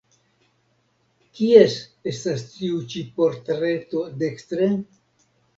Kies estas tiu ĉi portreto dekstre?